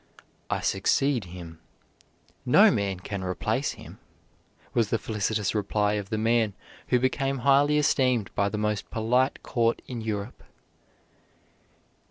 "I succeed him; no man can replace him," was the felicitous reply of the man who became highly esteemed by the most polite court in Europe.